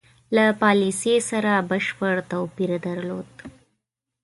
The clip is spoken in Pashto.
له پالیسی سره بشپړ توپیر درلود.